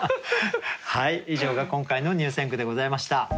はい以上が今回の入選句でございました。